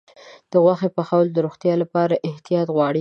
د غوښې پخول د روغتیا لپاره احتیاط غواړي.